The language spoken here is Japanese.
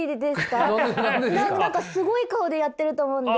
何かすごい顔でやってると思うんで。